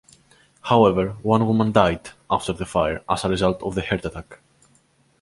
However, one woman died after the fire as a result of a heart attack.